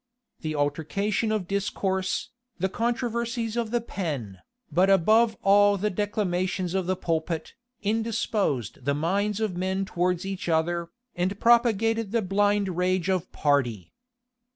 The altercation of discourse, the controversies of the pen, but above all the declamations of the pulpit, indisposed the minds of men towards each other, and propagated the blind rage of party.